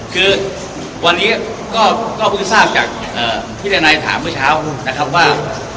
คือวันนี้ก็เพิ่งทราบจากที่นายถามเมื่อเช้านะครับว่า